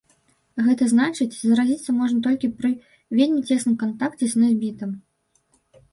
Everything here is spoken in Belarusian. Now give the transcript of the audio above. Гэта значыць, заразіцца можна толькі пры вельмі цесным кантакце з носьбітам.